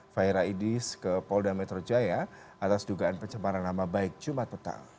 faira idris ke polda metro jaya atas dugaan pencemaran nama baik jumat petang